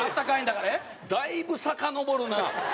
だいぶさかのぼるなあ。